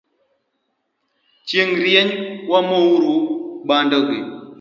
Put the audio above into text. Chieng rieny wamouru bando gi